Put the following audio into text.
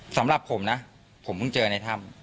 สำหรับผมนะผมเพิ่งเจอในถ้ำ